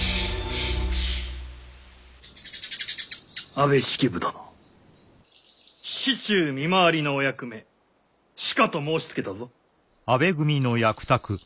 安部式部殿市中見回りのお役目しかと申しつけたぞ。